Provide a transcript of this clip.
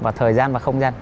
vào thời gian và không gian